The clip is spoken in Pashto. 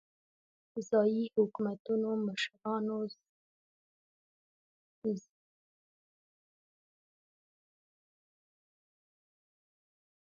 ځايي حکومتونو مشرانو زبېښونکي بنسټونه ولکه کړل.